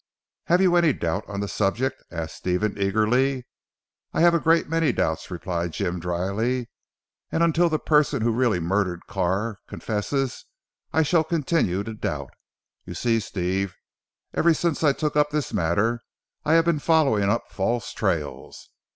"Have you any doubt on the subject?" asked Stephen eagerly. "I have a great many doubts," replied Jim dryly, "and until the person who really murdered Carr confesses, I shall continue to doubt. You see Steve, ever since I took up this matter I have been following up false trails.